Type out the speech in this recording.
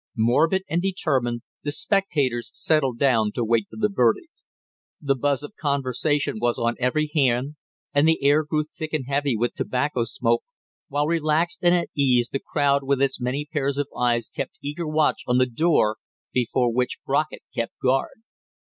Morbid and determined, the spectators settled down to wait for the verdict. The buzz of conversation was on every hand, and the air grew thick and heavy with tobacco smoke, while relaxed and at ease the crowd with its many pairs of eyes kept eager watch on the door before which Brockett kept guard.